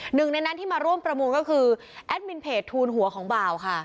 หนึ่งในนั้นที่มาร่วมประมูลก็คือแอดมินเพจทูลหัวของบ่าวค่ะ